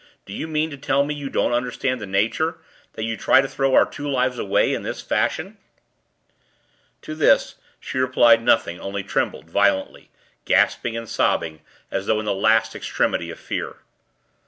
Do you mean to tell me you don't understand the danger, that you try to throw our two lives away in this fashion!' To this, she replied nothing; only trembled, violently, gasping and sobbing, as though in the last extremity of fear.